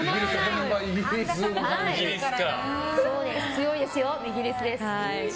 強いですよ、イギリスです。